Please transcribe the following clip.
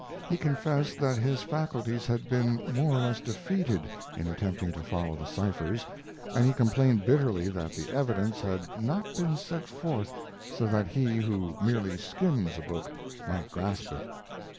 He confessed that his faculties had been more or less defeated in, attempting to follow the ciphers, and he complained bitterly that the evidence had not been set forth so that he who merely skims a book might grasp it.